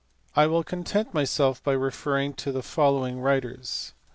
I will content myself by referring to the following writers.